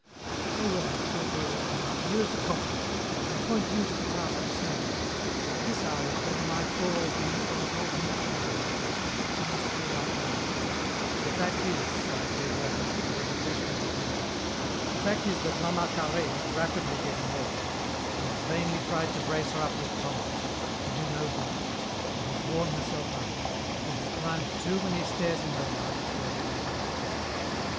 Oh, well, Monsieur des Hermies, here is the coffee. I appoint you to the task of serving it. At this hour of day my poor old limbs won't hold me up any longer. I must go lie down." "The fact is," sighed Des Hermies, when they had wished her good night, "the fact is that mama Carhaix is rapidly getting old. I have vainly tried to brace her up with tonics. They do no good. She has worn herself out. She has climbed too many stairs in her life, poor woman!"